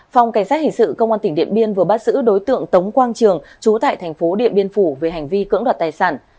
phòng cảnh sát hình sự công an tp điện biên vừa bắt giữ đối tượng tống quang trường chú tại tp điện biên phủ về hành vi cưỡng đoạt tài sản